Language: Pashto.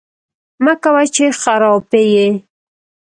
مکوه! چې خراپی یې